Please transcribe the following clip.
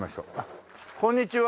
こんにちは。